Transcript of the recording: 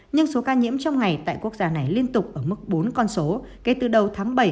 nhưng số ca nhiễm trong ngày tại quốc gia này liên tục ở mức bốn con số kể từ đầu tháng bảy